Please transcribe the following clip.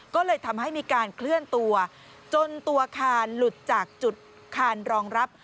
ก็เลยทำให้มีการเคลื่อนตัวจนตัวอาคารหลุดจากจุดคานรองรับ